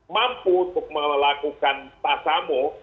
mampu untuk melakukan tasamu